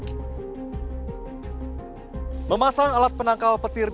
rumah basah terdekat